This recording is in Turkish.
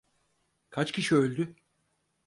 Kaç kişi öldü?